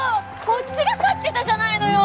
こっちが勝ってたじゃないのよ！